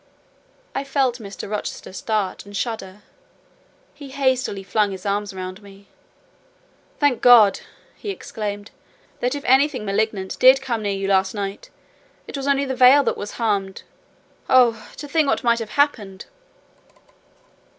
I felt Mr. Rochester start and shudder; he hastily flung his arms round me. "Thank God!" he exclaimed, "that if anything malignant did come near you last night, it was only the veil that was harmed. Oh, to think what might have happened!"